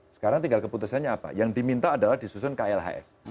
sekarang tinggal keputusannya apa yang diminta adalah disusun klhs